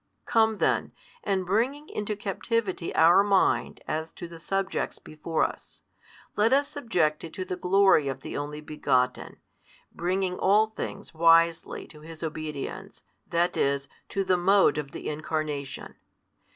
Come then, and bringing into captivity our mind as to the subjects before us, let us subject it to the glory of the Only Begotten, bringing all things wisely to His obedience, that is, to the mode of the Incarnation.